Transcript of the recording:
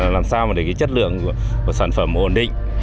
làm sao mà để cái chất lượng của sản phẩm ổn định